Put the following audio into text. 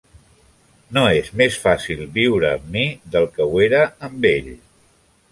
No és més fàcil viure amb mi del què ho era amb ell.